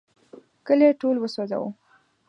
کلی ټول وسوځاوه.